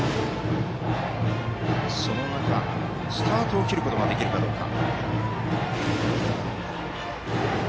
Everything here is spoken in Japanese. その中でスタートを切ることができるかどうか。